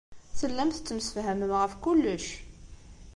Tellam tettemsefhamem ɣef kullec.